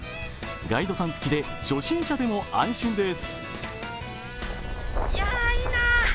ガイドさん付きで初心者でも安心です。